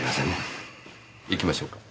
行きましょうか。